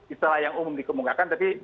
istilah yang umum dikemukakan tapi